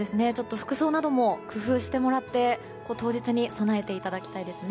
服装なども工夫してもらって当日に備えていただきたいですね。